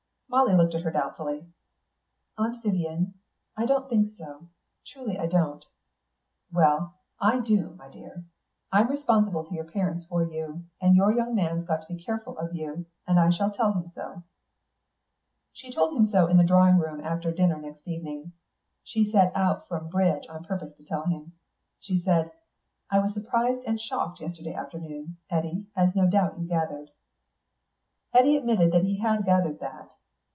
Molly looked at her doubtfully. "Aunt Vyvian, I don't think so. Truly I don't." "Well, I do, my dear. I'm responsible to your parents for you, and your young man's got to be careful of you, and I shall tell him so." She told him so in the drawing room after dinner next evening. She sat out from bridge on purpose to tell him. She said, "I was surprised and shocked yesterday afternoon, Eddy, as no doubt you gathered." Eddy admitted that he had gathered that.